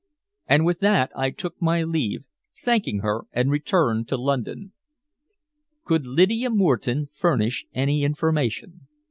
And with that I took my leave, thanking her, and returned to London. Could Lydia Moreton furnish any information?